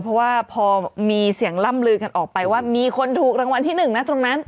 เพราะว่าพอมีเสียงล่ำลือกันออกไปว่ามีคนถูกรางวัลที่หนึ่งนะตรงนั้น